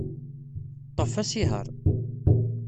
Ḍḍef asihaṛ.